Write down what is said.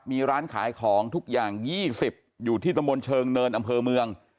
มีร้านขายของทุกอย่าง๒๐อยู่ที่มเชิงเนินอเมือง